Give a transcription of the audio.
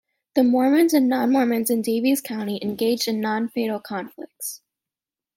The Mormons and non-Mormons in Daviess County engaged in non-fatal conflicts.